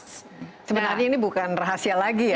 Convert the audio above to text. sebenarnya ini bukan rahasia lagi ya